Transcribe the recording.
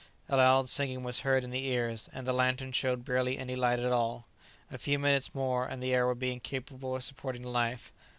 A loud singing was heard in the ears, and the lantern showed barely any light at all. A few minutes more and the air would be incapable of supporting life.